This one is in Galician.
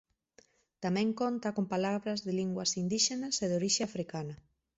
Tamén conta con palabras de linguas indíxenas e de orixe africana.